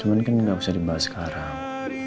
cuman kan nggak usah dibahas sekarang